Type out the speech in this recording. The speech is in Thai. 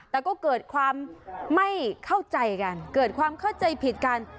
แต่ก็เกิดความไม่เข้าใจกันเกิดความเข้าใจผิดกัน